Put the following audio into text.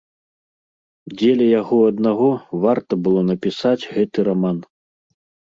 Дзеля яго аднаго варта было напісаць гэты раман.